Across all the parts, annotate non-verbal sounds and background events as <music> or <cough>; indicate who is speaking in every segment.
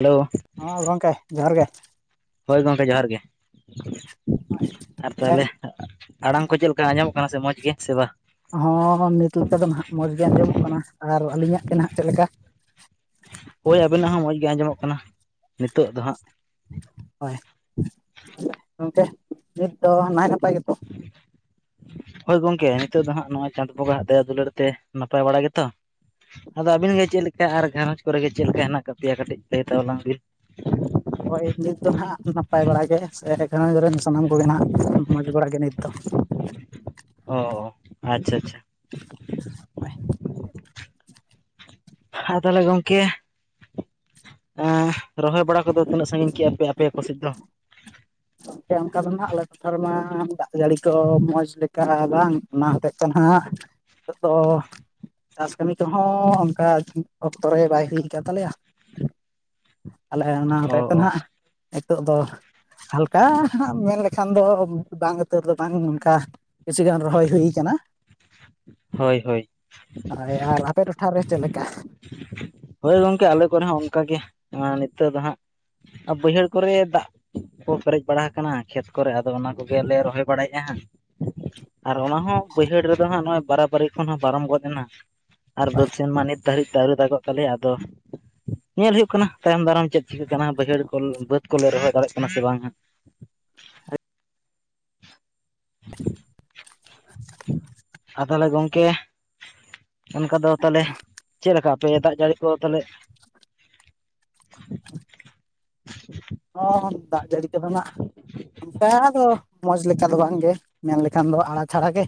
Speaker 1: Hello.
Speaker 2: ᱦᱚᱸ ᱜᱚᱝᱠᱮ ᱡᱚᱦᱟᱨ ᱜᱮ᱾
Speaker 1: ᱦᱳᱭ ᱜᱚᱝᱠᱮ ᱡᱚᱦᱟᱨ ᱜᱮ ᱟᱨ ᱛᱟᱦᱞᱮ᱾ ᱟᱲᱟᱝ ᱠᱚ ᱪᱮᱜ ᱞᱮᱠᱟ ᱟᱸᱡᱚᱢᱚᱜ ᱠᱟᱱᱟ ᱥᱮ ᱢᱚᱡᱽ ᱜᱮ ᱥᱮ ᱵᱟ᱾
Speaker 2: ᱦᱚᱸ ᱦᱚᱸ ᱱᱤᱛ ᱞᱮᱠᱟ ᱫᱚ ᱱᱷᱟᱜ ᱢᱚᱡᱽ ᱜᱮ ᱟᱸᱡᱚᱢᱚᱜ ᱠᱟᱱᱟ ᱟᱨ ᱟᱞᱤᱧᱟᱜ ᱜᱮ ᱱᱷᱟᱜ ᱪᱮᱜ ᱞᱮᱠᱟ᱾
Speaker 1: ᱦᱳᱭ ᱟᱵᱮᱱᱟᱜ ᱦᱚᱸ ᱢᱚᱡᱽ ᱜᱮ ᱟᱸᱡᱚᱢᱚᱜ ᱠᱟᱱᱟ᱾ ᱱᱤᱛᱳᱜ ᱫᱚ ᱦᱟᱸᱜ᱾
Speaker 2: ᱦᱚᱭ ᱜᱚᱝᱠᱮ ᱱᱤᱛ ᱫᱚ ᱱᱟᱭ ᱱᱟᱯᱟᱭ ᱜᱮᱛᱚ?
Speaker 1: ᱦᱳᱭ ᱜᱚᱝᱠᱮ ᱱᱤᱛᱚᱜ ᱫᱚ ᱦᱟᱸᱜ ᱱᱚᱣᱟ ᱪᱟᱸᱫᱽ ᱵᱚᱸᱜᱟ ᱟᱜ ᱫᱟᱭᱟ ᱫᱩᱞᱟᱹᱲ ᱛᱮ ᱱᱟᱯᱟᱭ ᱵᱟᱲᱟ ᱜᱮᱛᱚ᱾ ᱟᱫᱚ ᱟᱵᱤᱱ ᱜᱮ ᱪᱮᱜ ᱞᱮᱠᱟ ᱟᱨ ᱜᱷᱟᱸᱨᱚᱧᱡᱽ ᱠᱚᱨᱮᱜᱮ ᱪᱮᱜ ᱞᱮᱠᱟ ᱦᱮᱱᱟᱜ ᱠᱟᱜ ᱯᱮᱭᱟ ᱠᱟᱴᱤᱡ ᱞᱟᱹᱭ ᱛᱟᱣᱞᱟᱝ ᱵᱤᱱ᱾
Speaker 2: ᱦᱚᱭ ᱱᱤᱛ ᱫᱚ ᱱᱷᱟᱜ ᱱᱟᱯᱟᱭ ᱵᱟᱲᱟ ᱜᱮ ᱥᱮ ᱜᱷᱟᱨᱚᱸᱡᱽ ᱨᱮᱱ ᱥᱟᱱᱟᱢ ᱠᱚᱜᱮ ᱱᱷᱟᱜ᱾ ᱢᱚᱡᱽ ᱵᱟᱲᱟ ᱜᱮ ᱱᱤᱛ ᱫᱚ᱾
Speaker 1: ᱚ ᱟᱪᱪᱷᱟ ᱟᱪᱪᱷᱟ᱾
Speaker 2: ᱦᱳᱭ᱾
Speaker 1: ᱟᱨ ᱛᱟᱦᱞᱮ ᱜᱚᱢᱠᱮ ᱮᱸ ᱨᱚᱦᱚᱭ ᱵᱟᱲᱟ ᱠᱚᱫᱚ ᱛᱤᱱᱟᱹᱜ ᱥᱟᱸᱜᱤᱧ ᱠᱮᱜ-ᱟᱯᱮ ᱟᱯᱮ᱾ ᱠᱚᱥᱮᱡ ᱫᱚ᱾
Speaker 2: ᱜᱚᱝᱠᱮ ᱚᱱᱠᱟ ᱫᱚ ᱱᱷᱟᱜ ᱟᱞᱮ ᱴᱚᱴᱷᱟ ᱨᱮᱢᱟ ᱫᱟᱜ ᱡᱟᱲᱤ ᱠᱚ ᱢᱚᱡᱽ ᱞᱮᱠᱟ ᱵᱟᱝ᱾ ᱚᱱᱟ ᱦᱚᱛᱮᱡ ᱛᱮ ᱱᱷᱟᱜ ᱱᱤᱛᱳᱜ ᱫᱚ᱾ ᱪᱟᱥ ᱠᱟᱹᱢᱤ ᱠᱚᱦᱚᱸ ᱚᱱᱠᱟ ᱚᱠᱛᱚ ᱨᱮ ᱵᱟᱭ ᱦᱩᱭ ᱠᱟᱜ ᱛᱟᱞᱮᱭᱟ᱾ ᱟᱞᱮ ᱚᱱᱟ
Speaker 1: ᱚ
Speaker 2: ᱦᱚᱛᱮᱡ ᱛᱮ
Speaker 1: ᱚ
Speaker 2: ᱱᱷᱟᱜ ᱦᱤᱸᱛᱳᱜ ᱫᱚ᱾ ᱠᱟ ᱦᱟᱸᱜ ᱢᱮᱱ ᱞᱮᱠᱷᱟᱱ ᱫᱚ ᱵᱟᱝ ᱩᱛᱟᱹᱨ ᱫᱚ ᱵᱟᱝ ᱚᱱᱠᱟ᱾ ᱠᱤᱪᱷᱩ ᱜᱟᱱ ᱨᱚᱦᱚᱭ ᱦᱩᱭ ᱠᱟᱱᱟ ᱾
Speaker 1: ᱦᱳᱭ ᱦᱳᱭ ᱾
Speaker 2: ᱦᱳᱭ ᱟᱨ ᱟᱯᱮ ᱴᱚᱴᱷᱟ ᱨᱮ ᱪᱮᱫ ᱞᱮᱠᱟ?
Speaker 1: ᱦᱳᱭ ᱜᱚᱝᱠᱮ ᱟᱞᱮ ᱠᱚᱨᱮ ᱦᱚᱸ ᱚᱱᱠᱟ ᱜᱮ ᱱᱤᱛᱚᱜ ᱫᱚ ᱦᱟᱸᱜ ᱵᱟᱹᱭᱦᱟᱹᱲ ᱠᱚᱨᱮ ᱫᱟᱜ ᱠᱚ ᱯᱮᱨᱮᱡ ᱵᱟᱲᱟ ᱟᱠᱟᱱᱟ ᱠᱷᱮᱛ ᱠᱚᱨᱮ, ᱟᱫᱚ ᱚᱱᱟ ᱠᱚᱜᱮᱞᱮ ᱨᱚᱦᱚᱭ ᱵᱟᱲᱟᱭᱮᱜᱼᱟ ᱦᱟᱸᱜ ᱾ ᱟᱨ ᱚᱱᱟ ᱦᱚᱸ ᱵᱟᱹᱭᱦᱟᱹᱲ ᱨᱮᱫᱚ ᱦᱟᱸᱜ ᱱᱚᱜᱼᱚᱭ ᱵᱟᱨᱟᱵᱟᱹᱨᱤ ᱠᱷᱚᱱ ᱦᱚᱸ ᱯᱟᱨᱚᱢ ᱜᱚᱫ ᱮᱱᱟ ᱾ ᱟᱨ
Speaker 2: ᱦᱳᱭ
Speaker 1: ᱵᱟᱹᱫ ᱥᱮᱱ ᱢᱟ ᱱᱤᱛ ᱫᱷᱟᱹᱨᱤᱡ ᱛᱮ ᱟᱹᱣᱨᱤ ᱫᱟᱜᱚᱜ ᱛᱟᱞᱮᱭᱟ ᱟᱫᱚ ᱧᱮᱞ ᱦᱩᱭᱩᱜ ᱠᱟᱱᱟ ᱾ ᱛᱟᱭᱚᱢ ᱫᱟᱨᱟᱢ ᱪᱮᱫ ᱪᱤᱠᱟᱹᱜ ᱠᱟᱱᱟ ᱵᱟᱹᱭᱦᱟᱹᱲ ᱠᱚᱞ ᱵᱟᱹᱫᱽ ᱠᱚᱞᱮ ᱨᱚᱦᱚᱭ ᱫᱟᱲᱮᱭᱟᱜ ᱠᱟᱱᱟ ᱥᱮ ᱵᱟᱝ ᱦᱟᱸᱜ!
Speaker 2: <inaudible>
Speaker 1: ᱟ ᱛᱟᱦᱚᱞᱮ ᱜᱚᱝᱠᱮ ᱚᱱᱠᱟ ᱫᱚ ᱛᱟᱞᱦᱮ
Speaker 2: ᱛᱚ
Speaker 1: ᱪᱮᱫ ᱞᱮᱠᱟ ᱟᱯᱮ ᱫᱟᱜ ᱡᱟᱹᱲᱤ ᱠᱚ ᱛᱟᱞᱦᱮ?
Speaker 2: <inaudible> <inaudible> ᱦᱚᱸ ᱫᱟᱜ ᱡᱟᱹᱲᱤ ᱠᱚᱫᱚ ᱱᱟᱜ ᱚᱱᱠᱟ ᱫᱚ ᱢᱚᱡᱽ ᱞᱮᱠᱟ ᱫᱚ ᱵᱟᱝ ᱜᱮ᱾ ᱢᱮᱱ ᱞᱮᱠᱷᱟᱱ ᱫᱚ ᱟᱲᱟ ᱪᱷᱟᱲᱟ ᱜᱮ᱾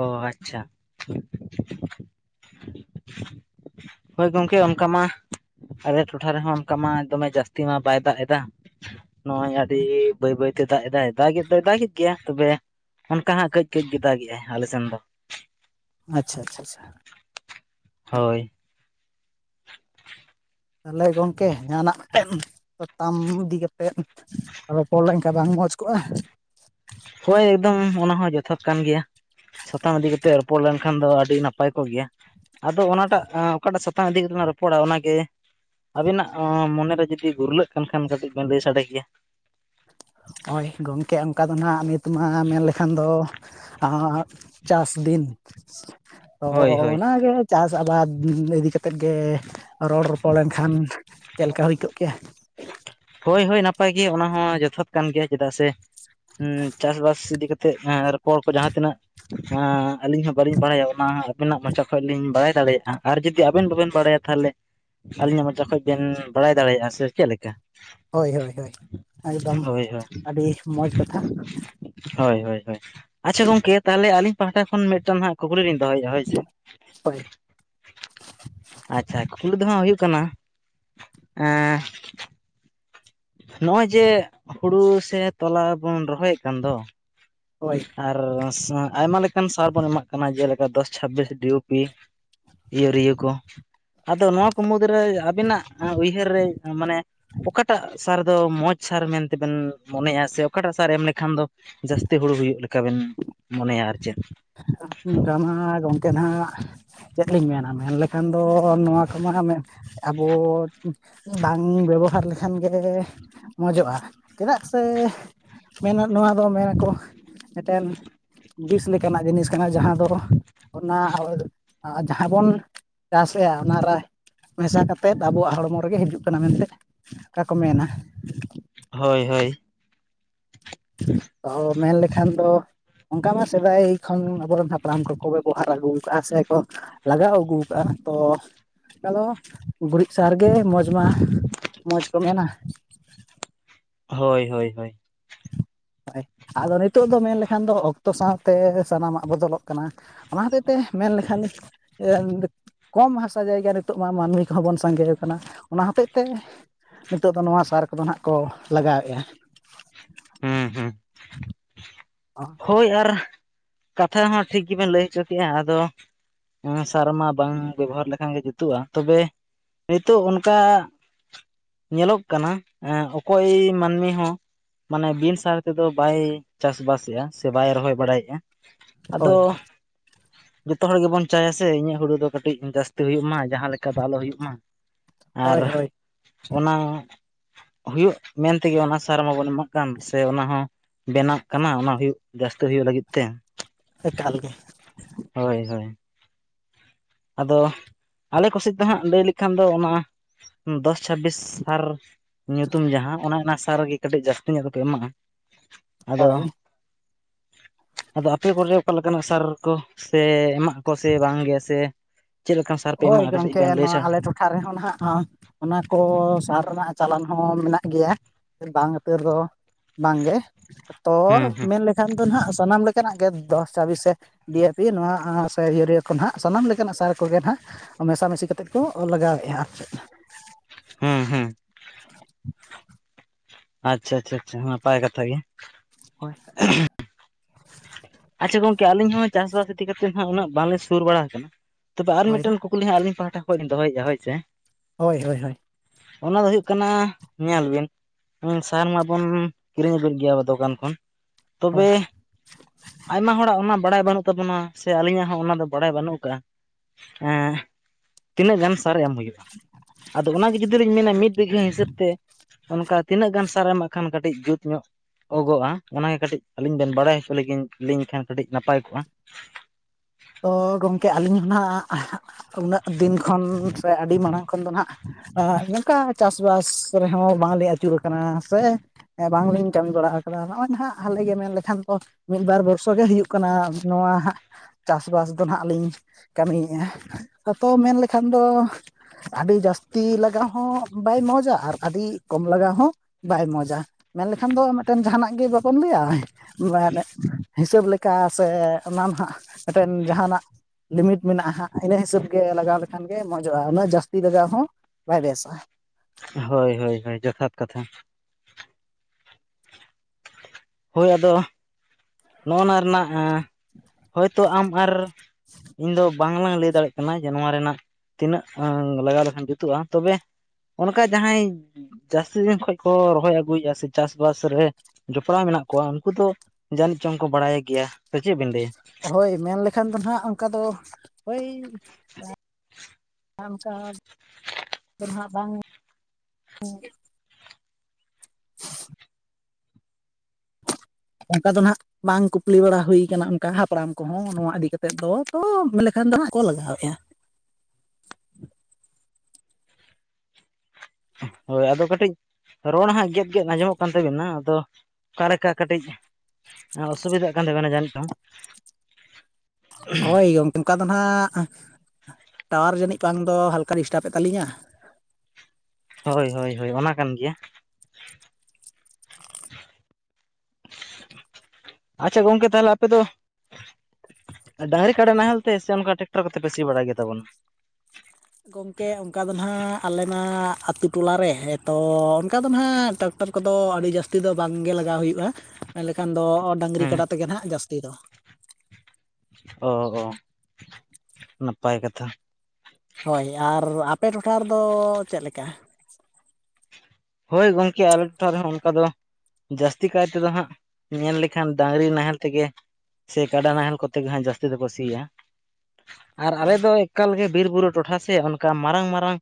Speaker 1: ᱚ ᱟᱪᱪᱷᱟ᱾ ᱦᱳᱭ ᱜᱚᱝᱠᱮ ᱚᱱᱠᱟ ᱢᱟ ᱟᱞᱮ ᱴᱚᱴᱷᱟ ᱨᱮᱦᱚᱸ ᱚᱱᱠᱟ ᱢᱟ ᱫᱚᱢᱮ ᱡᱟᱹᱥᱛᱤ ᱢᱟ ᱵᱟᱭ ᱫᱟᱜ ᱮᱫᱟ᱾ ᱱᱚᱜᱼᱚᱭ ᱟᱹᱰᱤ ᱵᱟᱹᱭ ᱵᱟᱹᱭ ᱛᱮ ᱫᱟᱜ ᱮᱫᱟᱭ, ᱫᱟᱜ ᱮᱫ ᱫᱚᱭ ᱫᱟᱜᱼᱮᱫ ᱜᱮᱭᱟ ᱾ ᱛᱚᱵᱮ ᱚᱱᱠᱟ ᱦᱟᱸᱜ ᱠᱟᱹᱡ ᱠᱟᱹᱡ ᱜᱮ ᱫᱟᱜ ᱮᱜᱼᱟᱭ ᱟᱞᱮ ᱥᱮᱱ ᱫᱚ ᱾
Speaker 2: ᱟᱪᱪᱷᱟ ᱟᱪᱪᱷᱟ ᱟᱪᱪᱷᱟ ᱾
Speaker 1: ᱦᱳᱭ ᱾
Speaker 2: ᱛᱟᱦᱚᱞᱮ ᱜᱚᱝᱠᱮ ᱡᱟᱦᱟᱱᱟᱜ <inaudible> ᱥᱟᱛᱟᱢ ᱤᱫᱤ ᱠᱟᱛᱮᱫ ᱨᱚᱯᱚᱲ ᱞᱮᱝᱠᱷᱟᱡ ᱵᱟᱝ ᱢᱚᱡᱽ ᱠᱚᱜᱼᱟ!
Speaker 1: ᱦᱳᱭ ᱮᱠᱫᱚᱢ ᱚᱱᱟ ᱦᱚᱸ ᱡᱚᱛᱷᱟᱛ ᱠᱟᱱ ᱜᱮᱭᱟ᱾ ᱥᱟᱛᱟᱢ ᱤᱫᱤ ᱠᱟᱛᱮᱜ ᱨᱚᱯᱚᱲ ᱞᱮᱱᱠᱷᱟᱱ ᱫᱚ ᱟᱹᱰᱤ ᱱᱟᱯᱟᱭ ᱠᱚᱜ ᱜᱮᱭᱟ ᱾ ᱟᱫᱚ ᱚᱱᱟᱴᱟᱜ ᱟ ᱚᱠᱟᱴᱟᱜ ᱥᱟᱛᱟᱢ ᱤᱫᱤ ᱠᱟᱛᱮᱞᱟᱝ ᱨᱚᱯᱚᱲᱟ ᱚᱱᱟ ᱜᱮ? ᱟᱵᱤᱱᱟᱜ ᱢᱚᱱᱮᱨᱮ ᱡᱩᱫᱤ ᱜᱷᱩᱨᱞᱟᱹᱜ ᱠᱟᱱ ᱠᱷᱟᱱ ᱠᱟᱹᱴᱤᱡ ᱵᱮᱱ ᱞᱟᱹᱭ ᱥᱟᱰᱮ ᱠᱮᱭᱟ ᱾
Speaker 2: ᱦᱳᱭ ᱜᱚᱝᱠᱮ ᱚᱝᱠᱟ ᱫᱚ ᱱᱟᱜ ᱱᱤᱛ ᱢᱟ ᱢᱮᱱ ᱞᱮᱠᱷᱟᱱ ᱫᱚ ᱟᱻ ᱪᱟᱥ ᱫᱤᱱ, ᱛᱚ
Speaker 1: ᱦᱳᱭ ᱦᱳᱭ
Speaker 2: ᱚᱱᱟ ᱜᱮ ᱪᱟᱥ ᱟᱵᱟᱫᱽ ᱤᱫᱤ ᱠᱟ ᱛᱮᱫ ᱜᱮ ᱨᱚᱲ ᱨᱚᱯᱚᱲ ᱮᱱᱠᱷᱟᱱ ᱪᱮᱫ ᱞᱮᱠᱟ ᱦᱩᱭ ᱠᱚᱜ ᱠᱮᱭᱟ?
Speaker 1: ᱦᱳᱭ ᱦᱳᱭ ᱱᱟᱯᱟᱭ ᱜᱮ, ᱚᱱᱟ ᱦᱚᱸ ᱡᱚᱛᱷᱚᱛ ᱠᱟᱱ ᱜᱮᱭᱟ ᱾ ᱪᱮᱫᱟᱜ ᱥᱮ ᱦᱩᱸ ᱪᱟᱥ ᱵᱟᱥ ᱤᱫᱤ ᱠᱟᱛᱮᱜ ᱟᱨ ᱯᱚᱨ ᱠᱚ ᱡᱟᱦᱟᱸ ᱛᱤᱱᱟᱹᱜ ᱟᱸᱻ ᱟᱹᱞᱤᱧ ᱦᱚᱸ ᱵᱟᱹᱞᱤᱧ ᱵᱟᱲᱟᱭᱟ ᱚᱱᱟ ᱟᱹᱵᱤᱱᱟᱜ ᱢᱚᱪᱟ ᱠᱷᱚᱡ ᱞᱤᱧ ᱵᱟᱲᱟᱭ ᱫᱟᱲᱮᱭᱟᱜᱼᱟ᱾ ᱟᱨ ᱡᱩᱫᱤ ᱟᱵᱮᱱ ᱵᱟᱵᱮᱱ ᱵᱟᱲᱟᱭᱟ ᱛᱟᱦᱞᱮ ᱟᱹᱞᱤᱧᱟᱜ ᱢᱚᱪᱟ ᱠᱷᱚᱡ ᱵᱮᱱ ᱵᱟᱲᱟᱭ ᱫᱟᱲᱮᱭᱟᱜᱼᱟ, ᱥᱮ ᱪᱮᱫ ᱞᱮ ᱠᱟ?
Speaker 2: ᱦᱳᱭ ᱦᱳᱭ ᱦᱳᱭ ᱮᱠᱫᱚᱢ
Speaker 1: ᱦᱳᱭ ᱦᱳᱭ
Speaker 2: ᱟᱹᱰᱤ ᱢᱚᱡᱽ ᱠᱟᱛᱷᱟ᱾
Speaker 1: ᱦᱳᱭ, ᱦᱳᱭ, ᱦᱳᱭ ᱾ ᱟᱪᱪᱷᱟ ᱜᱚᱝᱠᱮ ᱛᱟᱦᱞᱮ ᱟᱹᱞᱤᱧ ᱯᱟᱦᱴᱟ ᱠᱷᱚᱱ ᱢᱤᱫᱴᱟᱝ ᱦᱟᱸᱜ ᱠᱩᱠᱞᱤ ᱞᱤᱧ ᱫᱚᱦᱚᱭᱮᱜ-ᱟ ᱦᱳᱭ ᱥᱮ᱾
Speaker 2: ᱦᱳᱭ
Speaker 1: ᱟᱪᱪᱷᱟ ᱠᱩᱠᱞᱤ ᱫᱚ ᱦᱟᱸᱜ ᱦᱩᱭᱩᱜ ᱠᱟᱱᱟ ᱮᱸ ᱱᱚᱜᱼᱚᱭ ᱡᱮ ᱦᱩᱲᱩ ᱥᱮ ᱛᱚᱞᱟ ᱵᱚᱱ ᱨᱚᱦᱚᱭᱮᱜ ᱠᱟᱱ ᱫᱚ
Speaker 2: ᱦᱳᱭ᱾
Speaker 1: ᱟᱨ <inaudible> ᱟᱭᱢᱟ ᱞᱮᱠᱟᱱ ᱥᱟᱨ ᱵᱚᱱ ᱮᱢᱟᱜ ᱠᱟᱱᱟ ᱾ ᱡᱮᱞᱮᱠᱟ ᱫᱚᱥ ᱪᱷᱟᱵᱤᱥ, ᱰᱤᱭᱩᱯᱤ, ᱤᱭᱩᱨᱤᱭᱟᱹ ᱠᱚ ᱟᱫᱚ ᱱᱚᱣᱟ ᱠᱚ ᱢᱩᱫᱽᱨᱮ ᱟᱵᱤᱱᱟᱜ ᱩᱭᱦᱟᱹᱨ ᱨᱮ ᱢᱟᱱᱮ ᱚᱠᱟᱴᱟᱜ ᱥᱟᱨ ᱫᱚ ᱢᱚᱸᱡᱽ ᱥᱟᱨ ᱢᱮᱱᱛᱮᱵᱮᱱ ᱢᱚᱱᱮᱭᱮᱜᱼᱟ ᱥᱮ ᱚᱠᱟᱴᱟᱜ ᱥᱟᱨ ᱮᱢ ᱞᱮᱠᱷᱟᱱ ᱫᱚ ᱡᱟᱹᱥᱛᱤ ᱦᱩᱲᱩ ᱦᱩᱭᱩᱜ ᱞᱮᱠᱟᱵᱮᱱ ᱢᱚᱱᱮᱭᱟ ᱟᱨ ᱪᱮᱫ?
Speaker 2: ᱚᱱᱠᱟ ᱢᱟ ᱜᱚᱝᱠᱮ ᱱᱟᱦᱟᱸᱜ ᱪᱮᱫ ᱞᱤᱧ ᱢᱮᱱᱟ, ᱢᱮᱱ ᱞᱮᱠᱷᱟᱱ ᱫᱚ ᱱᱚᱣᱟ ᱠᱚᱢᱟ ᱚᱱᱮ ᱟᱵᱚ ᱵᱟᱝ ᱵᱮᱵᱚᱦᱟᱨ ᱞᱮᱠᱷᱟᱱ ᱜᱮ ᱢᱚᱡᱚᱜᱼᱟ ᱪᱮᱫᱟᱜ ᱥᱮ ᱢᱮᱱᱮᱫ ᱱᱚᱣᱟ ᱫᱚ ᱢᱮᱱᱟᱠᱚ ᱢᱤᱫᱴᱮᱱ ᱵᱤᱥ ᱞᱮᱠᱟᱱᱟᱜ ᱡᱤᱱᱤᱥ ᱠᱟᱱᱟ᱾ ᱡᱟᱦᱟᱸ ᱫᱚ ᱚᱱᱟ ᱡᱟᱦᱟᱸ ᱵᱚᱱ ᱪᱟᱥᱮᱜᱼᱟ᱾ ᱚᱱᱟᱨᱮ ᱢᱮᱥᱟ ᱠᱟᱛᱮᱫ ᱟᱵᱚᱣᱟᱜ ᱦᱚᱲᱢᱚ ᱨᱮᱜᱮ ᱦᱤᱡᱩᱜ ᱠᱟᱱᱟ, ᱢᱮᱱᱛᱮ ᱚᱱᱠᱟ ᱠᱚ ᱢᱮᱱᱟ᱾
Speaker 1: ᱦᱳᱭ ᱦᱳᱭ᱾
Speaker 2: ᱚᱦᱚ ᱢᱮᱱ ᱞᱮᱠᱷᱟᱱ ᱫᱚ ᱚᱱᱠᱟ ᱢᱟ ᱥᱮᱫᱟᱭ ᱠᱷᱚᱱ ᱟᱵᱚᱨᱮᱱ ᱦᱟᱯᱲᱟᱢ ᱠᱚᱠᱚ ᱵᱮᱵᱚᱦᱟᱨ ᱟᱹᱜᱩ ᱟᱠᱟᱜᱼᱟ᱾ ᱥᱮᱠᱚ ᱞᱟᱜᱟᱣ ᱟᱹᱜᱩ ᱠᱟᱜᱼᱟ᱾ ᱛᱚ ᱚᱱᱠᱟ ᱫᱚ ᱜᱩᱨᱤᱡ ᱥᱟᱦᱟᱨᱜᱮ ᱢᱚᱡᱽ ᱢᱟ, ᱢᱚᱡᱽ ᱠᱚ ᱢᱮᱱᱟ᱾
Speaker 1: ᱦᱳᱭ ᱦᱳᱭ ᱦᱳᱭ᱾
Speaker 2: ᱦᱳᱭ ᱟᱫᱚ ᱱᱤᱛᱚᱜ ᱫᱚ ᱢᱮᱱ ᱞᱮᱠᱷᱟᱱ ᱫᱚ ᱚᱠᱛᱚ ᱥᱟᱶᱛᱮ ᱥᱟᱱᱟᱢᱟᱜ ᱵᱚᱫᱚᱞᱚᱜ ᱠᱟᱱᱟ᱾ ᱚᱱᱟ ᱦᱚᱛᱮᱜ ᱛᱮ ᱢᱮᱱ ᱞᱮᱠᱷᱟᱱ ᱞᱤᱧ ᱮᱸᱫ ᱠᱚᱢ ᱦᱟᱥᱟ ᱡᱟᱭᱜᱟ ᱱᱤᱛᱚᱜ ᱢᱟ ᱢᱟᱹᱱᱢᱤ ᱠᱚᱦᱚᱸ ᱵᱚᱱ ᱥᱟᱸᱜᱮ ᱟᱠᱟᱱᱟ᱾ ᱚᱱᱟ ᱦᱚᱛᱮᱜ ᱛᱮ ᱱᱤᱛᱚᱜ ᱫᱚ ᱱᱚᱣᱟ ᱥᱟᱨ ᱠᱚᱫᱚ ᱱᱟᱦᱟᱜ ᱠᱚ ᱞᱟᱜᱟᱣᱮᱜᱼᱟ᱾
Speaker 1: ᱦᱩᱸ ᱦᱩᱸ᱾
Speaker 2: ᱟ
Speaker 1: ᱦᱳᱭ ᱟᱨ ᱠᱟᱛᱷᱟ ᱦᱚᱸ ᱴᱷᱤᱠ ᱜᱮᱵᱮᱱ ᱞᱟᱹᱭ ᱦᱚᱪᱚ ᱠᱮᱜᱼᱟ᱾ ᱟᱫᱚ ᱦᱮᱸ ᱥᱟᱨ ᱢᱟ ᱵᱟᱝ ᱵᱮᱵᱚᱦᱟᱨ ᱞᱮᱠᱷᱟᱱ ᱜᱮ ᱡᱩᱛᱩᱜᱼᱟ᱾ ᱛᱚᱵᱮ ᱱᱤᱛᱚᱜ ᱚᱱᱠᱟ ᱧᱮᱞᱚᱜ ᱠᱟᱱᱟ ᱮ ᱚᱠᱚᱭ ᱢᱟᱹᱱᱢᱤ ᱦᱚᱸ ᱢᱟᱱᱮ ᱵᱤᱱ ᱥᱟᱨ ᱛᱮᱫᱚ ᱵᱟᱭ ᱪᱟᱥ ᱵᱟᱥ ᱮᱜᱼᱟ᱾ ᱥᱮ ᱵᱟᱭ ᱨᱚᱦᱚᱭ ᱵᱟᱲᱟᱭᱮᱜᱼᱟ᱾ ᱟᱫᱚ
Speaker 2: ᱦᱳᱭ ᱦᱳᱭ
Speaker 1: ᱡᱚᱛᱚ ᱦᱚᱲ ᱜᱮᱵᱚᱱ ᱪᱟᱭᱟ ᱥᱮ ᱤᱧᱟᱹᱜ ᱦᱩᱲᱩ ᱫᱚ ᱠᱟᱹᱴᱤᱡ ᱡᱟᱹᱥᱛᱤ ᱦᱩᱭᱩᱜ ᱢᱟ, ᱡᱟᱦᱟᱸ ᱞᱮᱠᱟ ᱫᱚ ᱟᱞᱚ ᱦᱩᱭᱩᱜ ᱢᱟ᱾ ᱟᱨ
Speaker 2: ᱦᱳᱭ ᱦᱳᱭ
Speaker 1: ᱚᱱᱟ ᱦᱚᱸ ᱦᱩᱭᱩᱜ ᱢᱮᱱᱛᱮᱜᱮ ᱚᱱᱟ ᱥᱟᱨ ᱢᱟᱵᱚᱱ ᱮᱢᱟᱜ ᱠᱟᱱ, ᱥᱮ ᱚᱱᱟ ᱦᱚᱸ ᱵᱮᱱᱟᱜ ᱠᱟᱱᱟ ᱚᱱᱟ ᱦᱩᱭᱩᱜ ᱡᱟᱹᱥᱛᱤ ᱦᱩᱭᱩᱜ ᱞᱟᱹᱜᱤᱫ ᱛᱮ᱾
Speaker 2: ᱮᱠᱟᱞᱜᱮ᱾
Speaker 1: ᱦᱳᱭ ᱦᱳᱭ᱾ ᱟᱫᱚ ᱟᱞᱮ ᱠᱚᱥᱮᱜ ᱫᱚ ᱦᱟᱸᱜ ᱞᱟᱹᱭ ᱞᱮᱠᱷᱟᱱ ᱫᱚ ᱚᱱᱟ ᱫᱚᱥ ᱪᱷᱟᱵᱵᱤᱥ ᱥᱟᱨ ᱧᱩᱛᱩᱢ ᱡᱟᱦᱟᱸ ᱚᱱᱮ ᱚᱱᱟ ᱥᱟᱨ ᱜᱮ ᱠᱟᱹᱴᱤᱡ ᱡᱟᱹᱥᱛᱤ ᱧᱚᱜ ᱫᱚᱯᱮ ᱮᱢᱟᱜᱼᱟ᱾ ᱟᱫᱚ
Speaker 2: ᱦᱳᱭ
Speaker 1: ᱟᱫᱚ ᱟᱯᱮ ᱠᱚᱨᱮ ᱚᱠᱟᱞᱮᱠᱟᱱᱟᱜ ᱥᱟᱨ ᱠᱚ ᱥᱮ, ᱮᱢᱟᱜ ᱠᱚ ᱥᱮ ᱵᱟᱝ ᱜᱮ ᱥᱮ? ᱪᱮᱫ ᱞᱮᱠᱟᱱ ᱥᱟᱨ ᱯᱮ
Speaker 2: ᱦᱳᱭ
Speaker 1: ᱮᱢᱟᱜᱼᱟ ᱠᱟᱹᱴᱤᱡ
Speaker 2: ᱜᱚᱝᱠᱮ
Speaker 1: ᱵᱮᱱ ᱞᱟᱹᱭ
Speaker 2: ᱱᱚᱣᱟ
Speaker 1: ᱥᱮ
Speaker 2: ᱟᱞᱮ ᱴᱚᱴ ᱠᱷᱟᱨᱮ ᱦᱚᱸ ᱱᱟᱦᱟᱜ ᱱᱚᱜᱼᱚᱭ ᱚᱱᱟ ᱠᱚ ᱥᱟᱨ ᱨᱮᱱᱟᱜ ᱪᱟᱞᱟᱱ ᱦᱚᱸ ᱢᱮᱱᱟᱜ ᱜᱮᱭᱟ᱾ ᱵᱟᱝ ᱩᱛᱟᱹᱨ ᱫᱚ ᱵᱟᱝᱜᱮ ᱛᱚ
Speaker 1: ᱦᱩᱸ ᱦᱩᱸ
Speaker 2: ᱢᱮᱱ ᱞᱮᱠᱷᱟᱱ ᱫᱚ ᱱᱟᱜ ᱥᱟᱱᱟᱢ ᱞᱮᱠ ᱚᱱᱠᱟᱱᱟᱜ ᱜᱮ ᱫᱚᱥ ᱪᱷᱟᱵᱤᱥ ᱥᱮ ᱰᱤ ᱮ ᱯᱤ ᱱᱚᱣᱟ ᱥᱮ ᱤᱭᱩᱨᱤᱭᱟ ᱠᱚ ᱱᱟᱦᱟᱜ ᱥᱟᱱᱟᱢ ᱞᱮᱠᱟᱱᱟᱜ ᱥᱟᱨ ᱠᱚᱜᱮ ᱱᱟᱦᱟᱜ ᱢᱮᱥᱟᱢᱤᱥᱤ ᱠᱟᱛᱮᱫ ᱠᱚ ᱞᱟᱜᱟᱣᱮᱜᱼᱟ ᱟᱨ ᱪᱮᱫ
Speaker 1: ᱦᱩᱸ ᱦᱩᱸ
Speaker 2: <unintelligible>
Speaker 1: ᱟᱪᱪᱷᱟ ᱟᱪᱪᱷᱟ ᱟᱷᱟ ᱱᱟᱯᱟᱭ ᱠᱟᱛᱷᱟ ᱜᱮ
Speaker 2: ᱦᱳᱭ᱾
Speaker 1: <inaudible> ᱟᱪᱪᱷᱟ ᱜᱚᱝᱠᱮ ᱟᱹᱞᱤᱧ ᱦᱚᱸ ᱪᱟᱥᱵᱟᱥ ᱤᱫᱤᱠᱟ ᱠᱟᱛᱮᱫ ᱦᱟᱸᱜ ᱩᱱᱟᱹᱜ ᱵᱟᱝᱞᱤᱧ ᱥᱩᱨ ᱵᱟᱲᱟ ᱦᱟᱠᱟᱱᱟ᱾ ᱛᱚᱵᱮ ᱟᱨ
Speaker 2: ᱦᱳᱭ
Speaker 1: ᱢᱤᱫᱴᱮᱱ ᱠᱩᱠ ᱠᱩᱞᱤᱧ ᱦᱟᱜ ᱟᱞᱤᱧ ᱯᱟᱦᱴᱥ ᱠᱷᱚᱡᱞᱤᱧ ᱫᱚᱚᱭᱮᱫ-ᱟ ᱦᱳᱭ ᱥᱮ᱾
Speaker 2: ᱦᱳᱭ ᱦᱳᱭ ᱦᱳᱭ᱾
Speaker 1: ᱚᱱᱟ ᱫᱚ ᱦᱩᱭᱩᱜ ᱠᱟᱱᱟ ᱧᱮᱞ ᱵᱤᱱ ᱦᱮᱸ ᱥᱟᱦᱟᱱ ᱢᱟᱜᱵᱚᱱ ᱠᱤᱨᱤᱧ ᱟᱹᱜᱩᱭᱮᱫ ᱜᱮᱭᱟ ᱟᱵᱚ ᱫᱚᱠᱟᱱ ᱠᱷᱚᱱ
Speaker 2: ᱦᱳᱭ
Speaker 1: ᱛᱚᱵᱮ ᱟᱭᱢᱟ ᱦᱚᱲᱟᱜ ᱚᱱᱟ ᱵᱟᱲᱟᱭ ᱵᱟᱹᱱᱩᱜ ᱛᱟᱵᱚᱱᱟ ᱥᱮ ᱟᱹᱞᱤᱧᱟᱜ ᱦᱚᱸ ᱚᱱᱟ ᱫᱚ ᱵᱟᱲᱟᱭ ᱵᱟᱹᱱᱩᱜ ᱟᱠᱟᱟᱜ-ᱟ᱾ ᱮᱸ᱾ ᱛᱤᱱᱟᱹᱜ ᱜᱟᱱ ᱥᱟᱨᱮᱢᱥᱢ ᱦᱩᱭᱩᱜ-ᱟ᱾ ᱟᱫᱚ ᱚᱱᱟᱜᱮ ᱡᱩᱫᱤ ᱞᱤᱧ ᱢᱮᱱᱟ ᱢᱤᱫ ᱵᱤᱜᱷᱟᱹ ᱦᱤᱥᱟᱹᱵ ᱛᱮ᱾ ᱚᱱᱠᱟ ᱛᱤᱱᱟᱹᱜ ᱜᱟᱱ ᱥᱟᱨᱮ ᱮᱢᱟᱜ ᱠᱷᱟᱱ ᱠᱟᱹᱴᱤᱡ ᱡᱩᱛ ᱧᱚᱜ ᱚᱜᱼᱟ᱾ ᱚᱱᱟᱜᱮ ᱠᱟᱹᱴᱤᱡ ᱟᱹᱞᱤᱧ ᱵᱮᱱ ᱵᱟᱲᱟᱭ ᱦᱚᱪᱚ ᱤᱧ ᱞᱤᱧ ᱠᱷᱟᱱ ᱠᱟᱹᱴᱤᱡ ᱱᱟᱯᱟᱭ ᱠᱚᱜ-ᱟ᱾
Speaker 2: ᱛᱚ ᱜᱚᱢᱠᱮ ᱟᱹᱞᱤᱧ ᱦᱚᱸ ᱱᱟᱦᱟᱸᱜ ᱩᱱᱟᱹᱜ ᱫᱤᱱ ᱠᱷᱚᱱ ᱥᱮ ᱟᱹᱰᱤ ᱢᱟᱲᱟᱝ ᱠᱷᱚᱱ ᱫᱚ ᱱᱟᱦᱟᱸᱜ ᱟᱜ ᱱᱚᱝᱠᱟ ᱪᱟᱥᱵᱟᱥ ᱨᱮᱦᱚᱸ ᱵᱟᱝᱞᱤ ᱟᱹᱪᱩᱨ ᱟᱠᱟᱱᱟ ᱥᱮ ᱮᱸ ᱵᱟᱝᱞᱤᱧ ᱠᱟᱹᱢᱤ ᱵᱟᱲᱟ ᱠᱟᱫᱟ᱾ ᱱᱚᱜ-ᱚᱭ ᱱᱟᱟᱜ ᱦᱟᱞᱮᱜ ᱜᱮ ᱢᱮᱱ ᱞᱮᱠᱷᱟᱱ ᱫᱚ ᱢᱤᱫ-ᱵᱟᱨ ᱵᱚᱨᱥᱚ ᱜᱮ ᱦᱩᱭᱩᱜ ᱠᱟᱱᱟ᱾ ᱱᱚᱣᱟ ᱪᱟᱥᱵᱟᱥ ᱫᱚ ᱱᱟᱦᱟᱸᱜ ᱞᱤᱧ ᱠᱟᱹᱢᱤᱭᱮᱫ-ᱟ᱾ ᱟ ᱛᱚ ᱢᱮᱱ ᱞᱮᱠᱷᱟᱱ ᱫᱚ ᱟᱹᱰᱤ ᱡᱟᱹᱥᱛᱤ ᱞᱟᱜᱟᱣ ᱦᱚᱸ ᱵᱟᱭ ᱢᱚᱡᱟ ᱟᱨ ᱟᱹᱰᱤ ᱠᱚᱢ ᱞᱟᱜᱟᱣ ᱦᱚᱸ ᱵᱟᱭ ᱢᱚᱡᱟ ᱢᱮᱱᱞᱠᱷᱟᱱ ᱫᱚ ᱢᱤᱫᱴᱮᱱ ᱡᱟᱦᱟᱱᱟᱜ ᱜᱮ ᱵᱟᱵᱚᱱ ᱞᱟᱹᱭᱟ᱾ ᱢᱮᱱ-ᱮᱫ ᱦᱤᱥᱟᱹᱵ ᱞᱮᱠᱟ ᱥᱮ ᱚᱱᱟ ᱱᱟᱦᱟᱸᱜ ᱢᱤᱫᱴᱮᱱ ᱡᱟᱦᱟᱱᱟᱜ ᱞᱤᱢᱤᱴ ᱢᱮᱱᱟᱜ-ᱟ ᱦᱟᱸᱜ ᱤᱱᱟᱹ ᱦᱤᱥᱟᱹᱵ ᱜᱮ ᱞᱟᱜᱟᱣ ᱞᱮᱠᱷᱟᱱ ᱜᱮ ᱢᱚᱡᱚᱜ-ᱟ, ᱩᱱᱟᱹᱜ ᱡᱟᱹᱥᱛᱤ ᱞᱟᱜᱟᱣ ᱦᱚᱸ ᱵᱟᱭ ᱵᱮᱥᱚᱜ-ᱟ᱾
Speaker 1: ᱦᱳᱭ ᱦᱳᱭ ᱦᱳᱭ ᱡᱚᱛᱷᱟᱛ ᱠᱟᱛᱷᱟ᱾ ᱦᱳᱭ ᱟᱫᱚ ᱱᱚᱜ-ᱚᱱᱟ ᱨᱮᱱᱟᱜ ᱦᱳᱭᱛᱳ ᱟᱢ ᱟᱨ ᱤᱧ ᱫᱚ ᱵᱟᱝᱞᱟᱝ ᱞᱟᱹᱭ ᱫᱟᱲᱮᱜ ᱠᱟᱱᱟ ᱡᱮ ᱱᱚᱣᱟ ᱨᱮᱱᱟᱜ ᱛᱤᱱᱟᱹᱜ ᱟᱸᱝ ᱞᱟᱜᱟᱣ ᱞᱮᱠᱷᱟᱱ ᱡᱩᱛᱩᱜ-ᱟ ᱛᱚᱵᱮ ᱚᱱᱠᱟ ᱡᱟᱦᱟᱸᱭ ᱡᱟᱹᱥᱛᱤ ᱫᱤᱱ ᱠᱷᱚᱱᱚᱡ ᱠᱚ ᱨᱚᱦᱚᱭ ᱟᱹᱜᱩᱭᱮᱫ-ᱟ ᱥᱮ ᱪᱟᱥᱵᱟᱥ ᱨᱮ ᱡᱚᱯᱲᱟᱣ ᱢᱮᱱᱟᱜ ᱠᱚᱣᱟ ᱩᱱᱠᱩ ᱫᱚ ᱡᱟᱹᱱᱤᱡ ᱪᱚᱝ ᱠᱚ ᱵᱟᱲᱟᱭ ᱜᱮᱭᱟ ᱥᱮ ᱪᱮᱫ ᱵᱤᱱ ᱞᱟᱹᱭᱟ?
Speaker 2: ᱦᱳᱭ ᱢᱮᱱ ᱞᱮᱠᱷᱟᱱ ᱫᱚ ᱱᱟᱦᱟᱸᱜ ᱚᱱᱠᱟ ᱫᱚ ᱦᱳᱭ᱾ <unintelligible> ᱦᱟᱸᱜ ᱵᱟᱝ ᱚᱱᱠᱟ ᱫᱚ ᱱᱟᱦᱟᱜ ᱵᱟᱝ ᱠᱩᱯᱞᱤ ᱵᱟᱲᱟ ᱦᱩᱭᱠ ᱚᱱᱠᱟ ᱦᱟᱯᱲᱟᱢ ᱠᱚᱦᱚᱸ ᱱᱚᱣᱟ ᱤᱫᱤ ᱠᱟᱛᱮᱫ ᱫᱚ ᱛᱚ ᱢᱮᱱ ᱞᱮᱠᱷᱟᱱ ᱫᱚ ᱦᱟᱸᱜ ᱠᱚ ᱞᱟᱜᱟᱣᱮᱫ-ᱟ᱾
Speaker 1: ᱦᱳᱭ ᱟᱫᱚ ᱠᱟᱹᱴᱤᱡ ᱨᱚᱲ ᱦᱟᱸᱜ ᱜᱮᱫ ᱜᱮᱫ ᱟᱸᱡᱚᱢᱚᱜ ᱠᱟᱱ ᱛᱟᱹᱵᱤᱱᱟ᱾ ᱟᱫᱚ ᱚᱠᱟ ᱞᱮᱠᱟ ᱠᱟᱹᱴᱤᱡ ᱚᱥᱩᱵᱤᱫᱷᱟᱜ ᱠᱟᱱ ᱛᱟᱵᱚᱱᱟ ᱡᱟᱹᱱᱤᱡ ᱪᱚᱝ᱾
Speaker 2: ᱦᱳᱭ ᱜᱚᱝᱠᱮ᱾ ᱚᱱᱠᱟ ᱫᱚ ᱱᱟᱦᱟᱜ ᱴᱟᱣᱟᱨ ᱡᱟᱹᱱᱤᱡ ᱵᱟᱝ ᱫᱚ ᱦᱟᱞᱠᱟ ᱰᱤᱥᱴᱟᱵᱮᱫ ᱛᱟᱞᱤᱧᱟ᱾
Speaker 1: ᱦᱳᱭ ᱦᱳᱭ ᱦᱳᱭ ᱚᱱᱟ ᱠᱟᱱ ᱜᱮᱭᱟ᱾ ᱟᱪᱪᱷᱟ ᱜᱚᱝᱠᱮ ᱛᱟᱦᱞᱮ ᱟᱯᱮ ᱫᱚ ᱰᱟᱝᱨᱤ ᱠᱟᱰᱟ ᱱᱟᱦᱮᱞᱛᱮ ᱥᱮ ᱚᱱᱠᱟ ᱴᱨᱟᱠᱴᱚᱨ ᱠᱚᱛᱮ ᱯᱮᱥᱤ ᱵᱟᱲᱟᱭ ᱜᱮᱛᱟᱵᱚᱱᱟ?
Speaker 2: ᱜᱚᱢᱠᱮ ᱚᱱᱠᱟ ᱫᱚ ᱱᱟᱦᱟᱜ ᱟᱞᱮᱱᱟᱜ ᱟᱛᱩ ᱴᱚᱞᱟᱨᱮ ᱛᱚ ᱚᱱᱠᱟ ᱫᱚ ᱱᱟᱦᱟᱜ ᱴᱟᱠ ᱠᱴᱟᱨ ᱠᱚᱫᱚ ᱟᱹᱰᱤ ᱡᱟᱹᱥᱛᱤ ᱫᱚ ᱵᱟᱝᱜᱮ ᱞᱟᱜᱟᱣ ᱦᱩᱭᱩᱜ-ᱟ᱾ ᱢᱮᱱᱞᱮᱠᱷᱟᱱ ᱫᱚ ᱰᱟᱹᱝᱨᱤ
Speaker 1: ᱦᱮᱸ
Speaker 2: ᱠᱟᱰᱟ ᱛᱮᱜᱮ ᱱᱟᱦᱟᱜ ᱡᱟᱹᱥᱛᱤ ᱫᱚ᱾
Speaker 1: ᱚ ᱚ ᱱᱟᱯᱟᱭ ᱠᱟᱛᱷᱟ᱾
Speaker 2: ᱦᱳᱭ ᱟᱨ ᱟᱯᱮ ᱴᱚᱴᱷᱟ ᱨᱮ ᱫᱚ ᱪᱮᱫ ᱞᱮᱠᱟ?
Speaker 1: ᱦᱳᱭ ᱜᱚᱝᱠᱮ ᱟᱞᱮ ᱴᱚᱴᱷᱟ ᱨᱮ ᱦᱚᱸ ᱚᱱᱠᱟ ᱫᱚ ᱡᱟᱹᱥᱛᱤ ᱠᱟᱭ ᱛᱮᱫᱚ ᱦᱟᱸᱜ ᱧᱮᱞ ᱞᱮᱠᱷᱟᱱ ᱰᱟᱝᱨᱤ ᱱᱟᱦᱮᱞ ᱛᱮᱜᱮ ᱥᱮ ᱠᱟᱰᱟ ᱱᱟᱦᱮᱞ ᱠᱚ ᱛᱮᱜᱮ ᱦᱟᱸᱜ ᱡᱟᱹᱥᱛᱤ ᱫᱚ ᱠᱚ ᱥᱤ-ᱭᱟ ᱟᱨ ᱟᱞᱮ
Speaker 2: ᱦᱳᱭ
Speaker 1: ᱫᱚ ᱮᱠᱟᱞ ᱜᱮ ᱵᱤᱨ ᱵᱩᱨᱩ ᱴᱚᱴᱷᱟ ᱥᱮ ᱚᱱᱠᱟ ᱢᱟᱨᱟᱝ ᱢᱟᱨᱟᱝ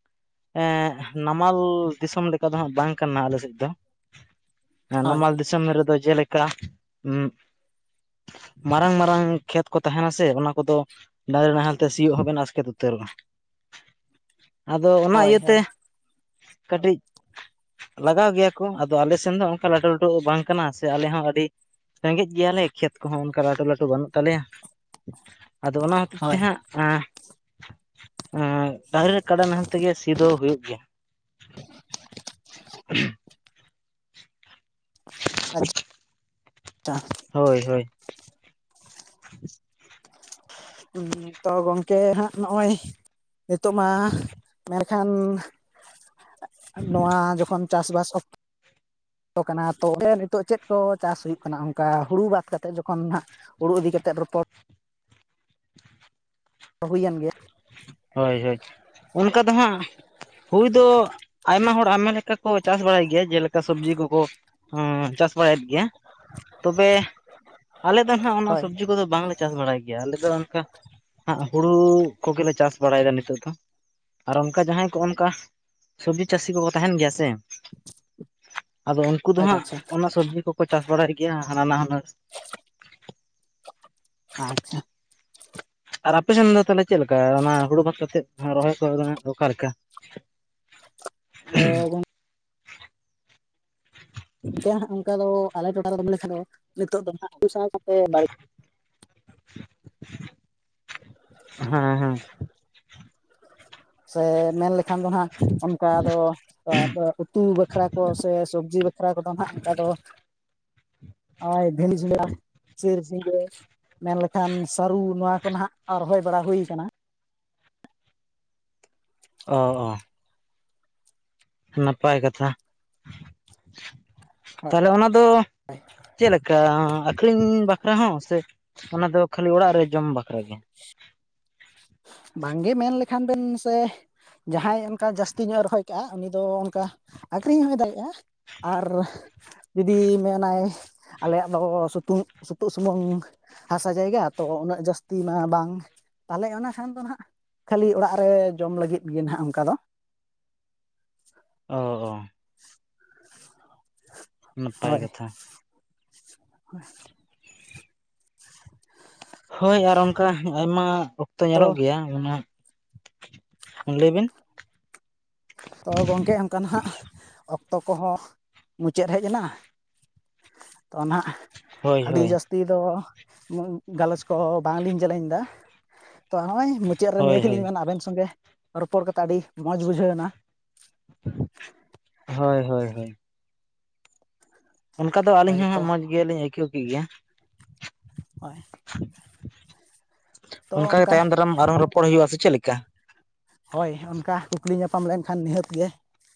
Speaker 1: ᱱᱟᱢᱟᱞ ᱫᱤᱥᱚᱢ ᱞᱮ ᱠᱟ ᱫᱚ ᱦᱟᱸᱜ ᱵᱟᱝ ᱠᱟᱱᱟ ᱟᱞᱮ ᱥᱮᱫ ᱫᱚ
Speaker 2: ᱦᱳᱭ
Speaker 1: ᱱᱟᱢᱟᱞ ᱫᱤᱥ ᱥᱚᱢᱚ ᱨᱮᱫᱚ ᱡᱮᱞᱮᱠᱟ ᱩᱸ ᱢᱟᱨᱟᱝ ᱢᱟᱨᱟᱝ ᱠᱷᱮᱛ ᱠᱚ ᱛᱟᱦᱮᱱᱟ ᱥᱮ ᱚᱱᱟ ᱠᱚᱫᱚ ᱰᱟᱝᱜᱨᱤ ᱱᱟᱦᱮᱞ ᱛᱮ ᱥᱤᱭᱚᱜ ᱦᱚᱸ ᱵᱮᱱ ᱟᱥᱠᱮᱛ ᱩᱛᱟᱹᱨᱚᱜ-ᱟ᱾ ᱟᱫᱚ ᱚᱱᱟ
Speaker 2: ᱦᱳᱭ
Speaker 1: ᱤᱭᱟᱹ ᱛᱮ
Speaker 2: ᱦᱳᱭ
Speaker 1: ᱠᱟᱹᱴᱤᱡ ᱞᱟᱜᱟᱣ ᱜᱮᱭᱟ ᱠᱚ ᱟᱫᱚ ᱟᱞᱮ ᱥᱮᱱ ᱫᱚ ᱚᱝᱠᱟ ᱞᱟᱹᱴᱩ ᱞᱟᱹᱴᱩ ᱵᱟᱝ ᱠᱟᱱᱟ ᱥᱮ ᱟᱞᱮ ᱦᱚᱸ ᱟᱹᱰᱤ ᱨᱮᱸᱜᱮᱡ ᱜᱮᱭᱟ ᱞᱮ ᱠᱷᱮᱛ ᱠᱚ ᱦᱚᱸ ᱚᱱᱠᱟ ᱞᱟᱹᱴᱩ ᱞᱟᱹᱴᱩ ᱵᱟᱹᱱᱩᱜ ᱛᱟᱞᱮᱭᱟ, ᱟᱫᱚ ᱚᱱᱟ ᱦᱚ ᱛᱮ
Speaker 2: ᱦᱳᱭ
Speaker 1: ᱦᱟᱸᱜ ᱮᱸ ᱮᱸ ᱰᱟᱝᱨᱤ ᱠᱟᱰᱟ ᱱᱟᱦᱮᱞ ᱛᱮᱜᱮ ᱥᱤ ᱫᱚ ᱦᱩᱭᱩᱜ ᱜᱮᱭᱟ᱾ <unintelligible>
Speaker 2: <unintelligible>
Speaker 1: <unintelligible>
Speaker 2: <unintelligible>
Speaker 1: ᱦᱳᱭ ᱦᱳᱭ ᱾
Speaker 2: ᱛᱚ ᱜᱚᱝᱠᱮ ᱦᱟᱸᱜ ᱱᱚᱜ-ᱚᱭ ᱱᱤᱛᱚ ᱢᱟ ᱢᱮᱱ ᱠᱷᱟᱱ ᱱᱚᱣᱟ ᱡᱚᱠᱷᱚᱱ ᱪᱟᱥᱵᱟᱥ ᱚᱠ
Speaker 1: <unintelligible>
Speaker 2: ᱛᱚ ᱠᱟᱱᱟ ᱛᱚᱵᱮ ᱱᱤᱛᱚᱜ ᱪᱮᱫ ᱠᱚ ᱪᱟᱥ ᱦᱩᱭᱩᱜ ᱠᱟᱱᱟ ᱚᱝᱠᱟ ᱦᱩᱲᱩ ᱵᱟᱫ ᱠᱟᱛᱮ ᱡᱚᱠᱷᱚᱱ ᱦᱟᱸᱜ ᱦᱩᱲᱩ ᱤᱫᱤ ᱠᱟᱛᱮᱜ ᱨᱚᱯᱚᱲ ᱦᱩᱭᱮᱱ ᱜᱮᱭᱟ᱾
Speaker 1: ᱦᱚᱭ ᱦᱚᱭ, ᱚᱞᱠᱟ ᱫᱚ ᱦᱟᱸᱜ ᱦᱩᱭ ᱫᱚ ᱟᱭᱢᱟ ᱦᱚᱲ ᱟᱭᱢᱟ ᱞᱮᱠᱟ ᱠᱚ ᱪᱟᱥ ᱵᱟᱲᱟᱭ ᱜᱮᱭᱟ, ᱡᱮᱞᱮᱠᱟ ᱥᱚᱵᱡᱤ ᱠᱚ ᱠᱚ ᱦᱚᱸ ᱪᱟᱥ ᱵᱟᱲᱟᱭᱮᱫ ᱜᱮᱭᱟ ᱛᱚᱵᱮ ᱟᱞᱮ ᱫᱚ ᱱᱟᱦᱟᱜ ᱚᱱᱟ
Speaker 2: ᱦᱳᱭ
Speaker 1: ᱥᱚᱵᱽᱡᱤ ᱠᱚᱫᱚ ᱵᱟᱝ ᱞᱮ ᱪᱟᱥ ᱵᱟᱲᱟᱭ ᱜᱮᱭᱟ ᱟᱞᱮ ᱫᱚ ᱚᱱᱠᱟ ᱦᱟᱸᱜ ᱦᱩᱲᱩ ᱠᱚ ᱜᱮᱞᱮ ᱪᱟᱥ ᱵᱟᱲᱟᱭᱮᱫᱟ ᱱᱤᱛᱚᱜ ᱫᱚ᱾ ᱟᱨ ᱚᱝᱠᱟ ᱡᱟᱦᱟᱸᱭ ᱠᱚ ᱚᱱᱠᱟ ᱥᱚᱵᱽᱡᱤ ᱪᱟᱹᱥᱤ ᱠᱚᱠᱚ ᱛᱟᱦᱮᱱ ᱜᱮᱭᱟ ᱥᱮ ᱟᱫᱚ ᱩᱱᱠᱩ ᱫᱚ
Speaker 2: ᱟᱪᱪᱷᱟ
Speaker 1: ᱦᱟᱸᱜ
Speaker 2: ᱟᱪᱪᱷᱟ
Speaker 1: ᱚᱱᱟ ᱥᱚᱵᱽᱡᱤ ᱠᱚᱠᱚ ᱪᱟᱥ ᱵᱟᱲᱟᱭ ᱜᱮᱭᱟ ᱦᱟᱱᱟ ᱱᱟᱣᱟ
Speaker 2: ᱟᱪᱪᱷᱟ᱾
Speaker 1: ᱟᱨ ᱟᱯᱮ ᱥᱮᱱ ᱫᱚ ᱛᱟᱦᱚᱞᱮ ᱪᱮᱫ ᱞᱮᱠᱟ ᱚᱱᱟ ᱦᱩᱲᱩ ᱵᱟᱫ ᱠᱟᱛᱮᱫ ᱨᱚᱦᱚᱭ ᱠᱚᱫᱚ ᱚᱠᱟ ᱞᱮᱠᱟ?
Speaker 2: ᱛᱚ ᱜᱚᱝ ᱚᱝᱠᱟ ᱫᱚ ᱟᱞᱮ ᱴᱚᱴᱷᱟ ᱨᱮ ᱢᱮᱱ ᱞᱮᱠᱷᱟᱱ ᱫᱚ ᱱᱤᱛᱚᱜ ᱫᱚ ᱦᱟᱸᱜ <inaudible>
Speaker 1: ᱦᱮᱸ ᱦᱮᱸ᱾
Speaker 2: ᱥᱮ ᱢᱮᱱ ᱞᱮᱠᱷᱟᱱ ᱫᱚ ᱦᱟᱸᱜ ᱚᱱᱠᱟ ᱫᱚ ᱛᱚ ᱟᱫᱚ ᱩᱛᱩ ᱵᱟᱠᱷᱨᱟ ᱠᱚ ᱥᱮ ᱥᱚᱵᱽᱡᱤ ᱵᱟᱠᱷᱨᱟ ᱠᱚᱫᱚ ᱦᱟᱸᱜ ᱚᱝᱠᱟ ᱫᱚ ᱳᱭ ᱵᱷᱮᱱᱰᱤ ᱡᱷᱤᱸᱜᱟᱹ <inaudible> ᱢᱮᱱ ᱞᱮᱠᱷᱟᱱ ᱥᱟᱹᱨᱩ ᱱᱚᱣᱟ ᱠᱚ ᱱᱟᱦᱟᱜ ᱨᱚᱦᱚᱭ ᱵᱟᱲᱟ ᱦᱩᱭ ᱠᱟᱱᱟ᱾
Speaker 1: ᱚ ᱱᱟᱯᱟᱭ ᱠᱟᱛᱷᱟ ᱛᱟᱦᱚᱞᱮ ᱚᱱᱟ ᱫᱚ
Speaker 2: <unintelligible>
Speaker 1: ᱪᱮᱫ ᱞᱮᱠᱟ ᱟᱠᱷᱨᱤᱧ ᱵᱟᱠᱷᱨᱟ ᱦᱚᱸ ᱥᱮ ᱚᱱᱟ ᱫᱚ ᱠᱷᱟᱹᱞᱤ ᱚᱲᱟᱜ ᱨᱮ ᱡᱚᱢ ᱵᱟᱠᱷᱨᱟ ᱜᱮ?
Speaker 2: ᱵᱟᱝ ᱜᱮ ᱢᱮᱱ ᱞᱮᱠᱷᱟᱱ ᱵᱮᱱ ᱥᱮ ᱡᱟᱦᱟᱸᱭ ᱚᱱᱠᱟ ᱡᱟᱹᱥᱛᱤ ᱧᱚᱜ ᱨᱚᱦᱚᱭ ᱠᱟᱜ-ᱟ ᱩᱱᱤ ᱫᱚ ᱚᱝᱠᱟ ᱟᱠᱷᱨᱤᱧ ᱦᱚᱸᱭ ᱫᱟᱲᱮᱭᱟᱜ-ᱟ᱾ ᱟᱨ ᱡᱩᱫᱤ ᱢᱮᱱᱟᱭ ᱟᱞᱮᱭᱟᱜ ᱫᱚ ᱥᱩᱛᱩᱝ ᱥᱩᱛᱩᱜ ᱥᱩᱢᱩᱝ ᱦᱟᱥᱟ ᱡᱟᱭᱜᱟ ᱛᱚ ᱩᱱᱟᱹᱜ ᱡᱟᱹᱥᱛᱤ ᱢᱟ ᱵᱟᱝ, ᱛᱟᱦᱞᱮ ᱚᱱᱟ ᱮᱱᱠᱷᱟᱱ ᱫᱚ ᱮᱱᱦᱟᱸᱜ ᱠᱷᱟᱹᱞᱤ ᱚᱲᱟᱜ ᱨᱮ ᱡᱚᱢ ᱞᱟᱹᱜᱤᱫ ᱜᱮ ᱮᱱᱦᱟᱸᱜ ᱚᱱᱠᱟ ᱫᱚ,
Speaker 1: ᱚᱻ, ᱱᱟᱯᱟᱭ
Speaker 2: ᱦᱳᱭ
Speaker 1: ᱠᱟᱛᱷᱟ,
Speaker 2: <inaudible>
Speaker 1: ᱦᱳᱭ ᱟᱨ ᱚᱱᱠᱟ ᱟᱭᱢᱟ ᱚᱠᱛᱚ
Speaker 2: ᱛᱚ
Speaker 1: ᱧᱮᱞᱚᱜ ᱜᱮᱭᱟ ᱚᱱᱟ, ᱞᱟᱹᱭ ᱵᱤᱱ?
Speaker 2: ᱛᱚ ᱜᱚᱝᱠᱮ ᱚᱱᱠᱟᱱ ᱦᱟᱸᱜ ᱚᱠᱛᱚ ᱠᱚᱦᱚᱸ ᱢᱩᱪᱟᱹᱫ ᱦᱮᱡ ᱮᱱᱟ, ᱛᱚᱱᱟᱸᱜ
Speaker 1: ᱦᱳᱭ
Speaker 2: ᱟᱹᱰᱤ
Speaker 1: ᱦᱳᱭ
Speaker 2: ᱡᱟᱹᱥᱛᱤ, ᱛᱤ ᱫᱚ ᱜᱟᱞᱚᱪ ᱠᱚ ᱵᱟᱝᱞᱤᱧ ᱡᱮᱞᱮᱧ ᱮᱫᱟ ᱛᱚ ᱱᱚᱜᱼᱚᱭ, ᱢᱩᱪᱟᱹᱫ ᱨᱮ
Speaker 1: ᱦᱳᱭ
Speaker 2: ᱱᱤᱭᱟᱹ
Speaker 1: ᱦᱳᱭ
Speaker 2: ᱜᱮᱞᱤᱧ ᱢᱮᱱᱟ ᱟᱵᱮᱱ ᱥᱚᱸᱜᱮ ᱨᱚᱯᱚᱲ ᱠᱟᱛᱮᱫ ᱟᱹᱰᱤ ᱢᱚᱡᱽ ᱵᱩᱡᱷᱟᱹᱣ ᱮᱱᱟ,
Speaker 1: ᱦᱳᱭ, ᱦᱳᱭ, ᱦᱳᱭ, ᱚᱱᱠᱟ ᱫᱚ ᱟᱹᱞᱤᱧ
Speaker 2: ᱦᱳᱭ
Speaker 1: ᱦᱚᱸ
Speaker 2: ᱛᱚ
Speaker 1: ᱦᱟᱸᱜ ᱢᱚᱸᱡᱽ ᱜᱮᱞᱤᱧ ᱟᱹᱭᱠᱟᱹᱣ ᱠᱮᱫ ᱜᱮᱭᱟ,
Speaker 2: ᱦᱳᱭ
Speaker 1: ᱚᱱᱠᱟ ᱜᱮ ᱛᱟᱭᱚᱢ ᱫᱟᱨᱟᱢ ᱟᱨᱦᱚᱸ ᱨᱚᱯᱚᱲ ᱦᱩᱭᱩᱜᱼᱟ ᱥᱮ ᱪᱮᱫᱞᱮᱠᱟ?
Speaker 2: ᱦᱳᱭ ᱚᱱᱠᱟ ᱠᱩᱠᱞᱤ ᱧᱟᱯᱟᱢ ᱞᱮᱱᱠᱷᱟᱱ ᱱᱤᱦᱟᱹᱛ ᱜᱮ,